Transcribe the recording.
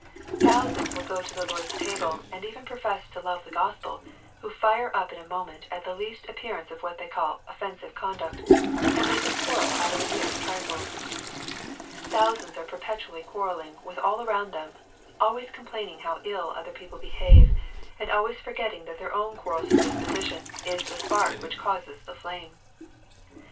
Thousands will go to the Lord's ta ble, and even profess to love the Gospel, who fire up in a moment at the least appearance of what they call "of fensive'' conduct, and make a quarrel out of the merest trifles. Thousands are perpetually quarrelling with all around them, always complaining how ill other people behave, and always forgetting that their own quarrel some disposition is the spark which causes the flame.